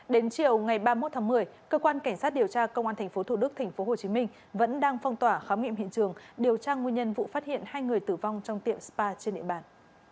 đến chiều ngày ba mươi một tháng một mươi cơ quan cảnh sát điều tra công an tp thủ đức tp hcm vẫn đang phong tỏa khám nghiệm hiện trường điều tra nguyên nhân vụ phát hiện hai người tử vong trong tiệm spa trên địa bàn